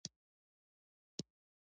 کندهار د افغانستان د طبیعت یوه برخه ده.